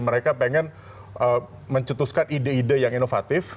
mereka pengen mencetuskan ide ide yang inovatif